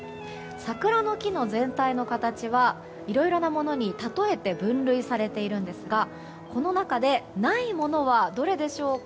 桜の木の全体の形はいろいろなものに例えて分類されているんですがこの中で、ないものはどれでしょうか。